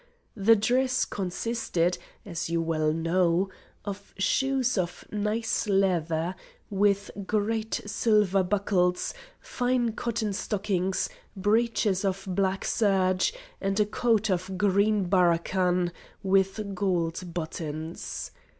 The dress consisted, as you well know, of shoes of nice leather, with great silver buckles, fine cotton stockings, breeches of black serge, and a coat of green barracan, with gold buttons.